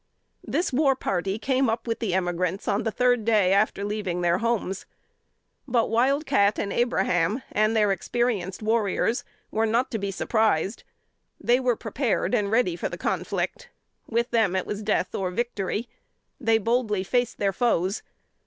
This war party came up with the emigrants on the third day after leaving their homes. But Wild Cat and Abraham, and their experienced warriors, were not to be surprised. They were prepared and ready for the conflict. With them it was death or victory. They boldly faced their foes.